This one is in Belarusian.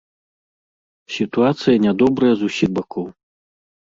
Сітуацыя нядобрая з усіх бакоў.